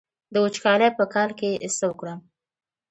د وچکالۍ په کال کې څه وکړم؟